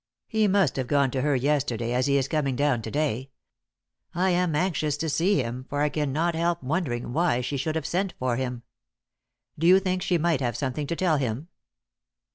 He must have gone to her yesterday as he is coming down to day. I am anxious to see him, for I cannot help wondering why she should have sent for him. Do you think she might have something to tell him?"